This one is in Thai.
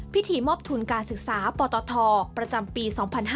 พิธีมอบทุนการศึกษาปตทประจำปี๒๕๕๙